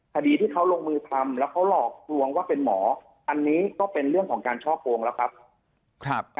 คดีที่เขาลงมือทำแล้วเขาหลอกลวงว่าเป็นหมออันนี้ก็เป็นเรื่องของการช่อโกงแล้วครับ